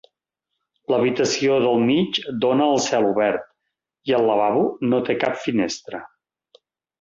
L'habitació del mig dona al celobert i el lavabo no té cap finestra.